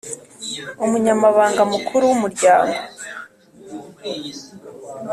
umunyamabanga mukuru w'umuryango,